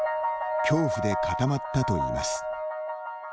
恐怖で固まったといいます。